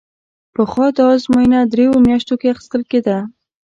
پخوا دا ازموینه درېیو میاشتو کې اخیستل کېده.